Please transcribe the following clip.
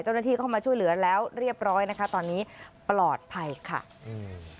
เจ้าหน้าที่เข้ามาช่วยเหลือแล้วเรียบร้อยนะคะตอนนี้ปลอดภัยค่ะอืม